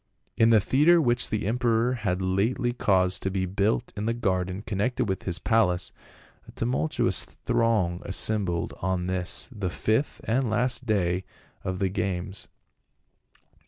In the theatre which the emperor had lately caused to be built in the garden connected with his palace, a tumultuous throng assembled on this the fifth and last day of the games.